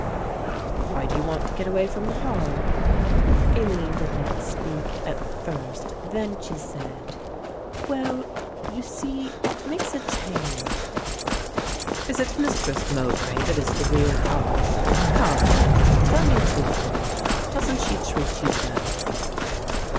"Why do you want to get away from the Hall?" Aline did not speak at first; then she said, "Well, you see it makes a change." "Is it Mistress Mowbray that is the real cause? Come, little one, tell me truthfully, doesn't she treat you well?"